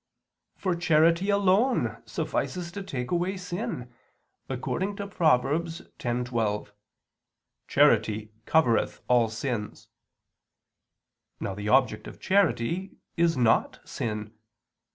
For charity alone suffices to take away sin, according to Prov. 10:12: "Charity covereth all sins." Now the object of charity is not sin.